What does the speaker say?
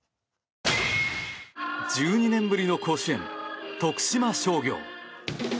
１２年ぶりの甲子園徳島商業。